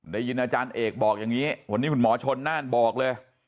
ได้ยินอาจารย์เอกบอกอย่างนี้วันนี้คุณหมอชนน่านบอกเลย